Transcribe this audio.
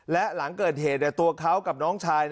และหลังเกิดเหตุตัวเขากับน้องชาย